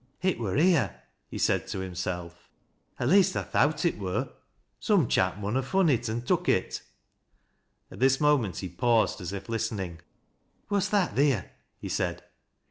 " It wur here," he said to himself ;" at least I thowl il wur. Some chap mun ha' fun it an' tuk it." At this moment he paused, as if listening. " What's that theer ?" he said.